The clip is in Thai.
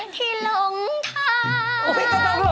ที่หลงทาง